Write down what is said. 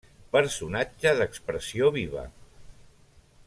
Personatge d'expressió viva.